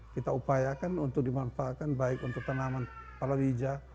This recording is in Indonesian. kita upayakan untuk dimanfaatkan baik untuk tanaman palau hijau